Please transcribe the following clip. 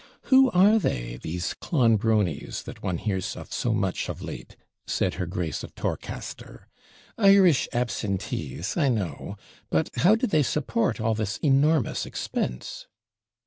'Who are they? these Clonbronies, that one hears of so much of late' said her Grace of Torcaster. 'Irish absentees I know. But how do they support all this enormous expense?'